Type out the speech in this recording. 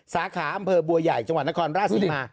สาขาอำเภอบัวใหญ่จังหวัดนครราชศรีมา